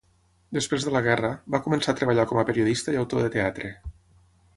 Després de la guerra, va començar a treballar com a periodista i autor de teatre.